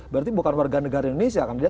berarti bukan warga negara indonesia akan dilihat